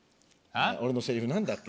俺のセリフ何だっけ。